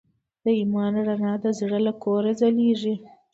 د ایمان رڼا د زړه له کوره ځلېږي.